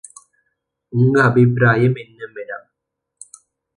உங்க அபிப்ராயம் என்ன மேடம்?